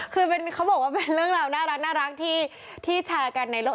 คือเขาบอกว่าเป็นเรื่องราวน่ารักที่แชร์กันในโลก